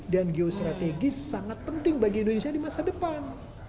dan geostrategis sangat penting bagi indonesia di masa depan